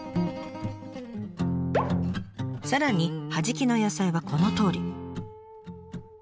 さらにはじきの野菜はこのとおり。